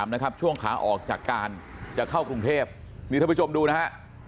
นะครับช่วงขาออกจากการจะเข้ากรุงเทพนี่ท่านผู้ชมดูนะฮะ